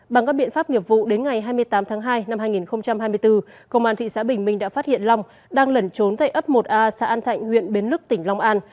bằng các biện pháp nghiệp vụ đến ngày hai mươi tám tháng hai năm hai nghìn hai mươi bốn công an thị xã bình minh đã phát hiện long đang lẩn trốn tại ấp một a xã an thạnh huyện bến lức tỉnh long an